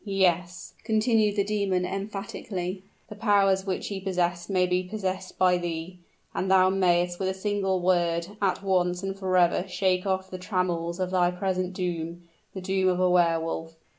Yes," continued the demon emphatically, "the powers which he possessed may be possessed by thee and thou may'st, with a single word, at once and forever shake off the trammels of thy present doom the doom of a Wehr Wolf!"